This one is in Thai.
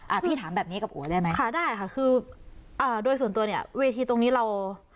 พี่ถามแบบนี้กับอัวได้ไหมคะได้ค่ะคืออ่าโดยส่วนตัวเนี้ยเวทีตรงนี้เรา